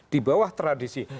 di bawah tradisi